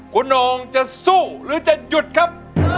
คุณน้องจะสู้หรือจะหยุดครับ